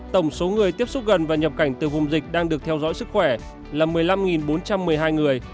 tổng số người tiếp xúc gần và nhập cảnh từ vùng dịch đang được theo dõi sức khỏe là một mươi năm bốn trăm một mươi hai người